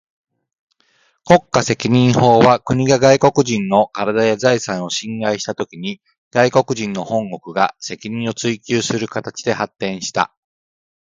国家責任法は、国が外国人の身体や財産を侵害したときに、外国人の本国が責任を追求する形で発展した。